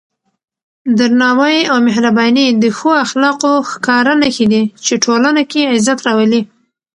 درناوی او مهرباني د ښو اخلاقو ښکاره نښې دي چې ټولنه کې عزت راولي.